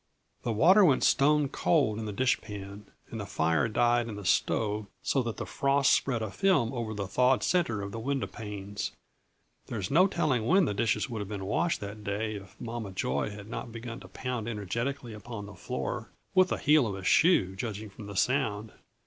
The water went stone cold in the dishpan and the fire died in the stove so that the frost spread a film over the thawed centre of the window panes. There is no telling when the dishes would have been washed that day if Mama Joy had not begun to pound energetically upon the floor with the heel of a shoe, judging from the sound.